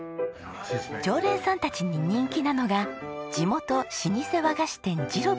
常連さんたちに人気なのが地元老舗和菓子店次郎